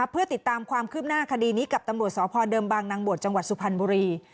เพื่อติดตามความคืบหน้าคดีนี้กับตำรวจสพเดิมบางนางบวชจังหวัดสุพรรณบุรี